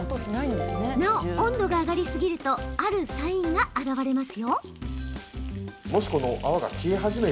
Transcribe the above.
なお、温度が上がりすぎるとあるサインが現れます。